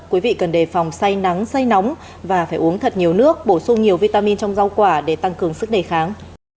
quý vị cần đề phòng say nắng say nóng và phải uống thật nhiều nước bổ sung nhiều vitamin trong rau quả để tăng cường sức đề kháng